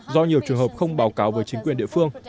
do nhiều trường hợp không báo cáo với chính quyền địa phương